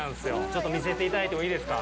ちょっと見せていただいてもいいですか。